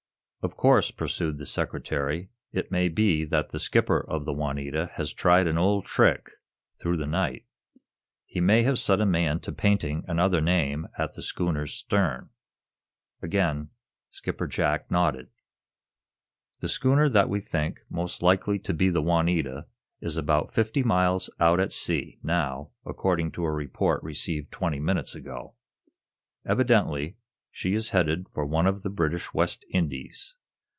"Of course," pursued the Secretary, "it may be that the skipper of the 'Juanita' has tried an old trick, through the night. He may have set a man to painting another name at the schooner's stern." Again Skipper Jack nodded. "The schooner that we think most likely to be the 'Juanita' is about fifty miles out at sea, now, according to a report received twenty minutes ago. Evidently she is headed for one of the British West Indies.